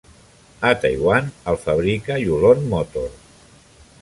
A Taiwan el fabrica Yulon Motor.